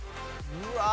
うわ！